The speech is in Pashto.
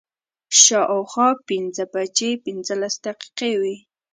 شا او خوا پنځه بجې پنځلس دقیقې وې.